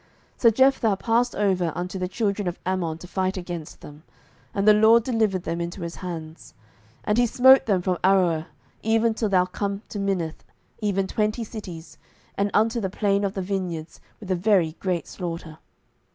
07:011:032 So Jephthah passed over unto the children of Ammon to fight against them; and the LORD delivered them into his hands. 07:011:033 And he smote them from Aroer, even till thou come to Minnith, even twenty cities, and unto the plain of the vineyards, with a very great slaughter.